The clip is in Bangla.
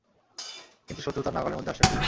কিন্তু শত্রু তাঁর নাগালের মধ্যে আসছে না।